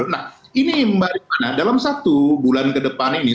nah ini mbak rifana dalam satu bulan ke depan ini